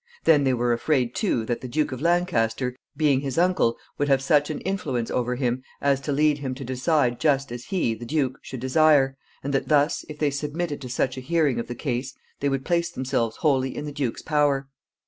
Then they were afraid, too, that the Duke of Lancaster, being his uncle, would have such an influence over him as to lead him to decide just as he, the duke, should desire, and that thus, if they submitted to such a hearing of the case, they would place themselves wholly in the duke's power.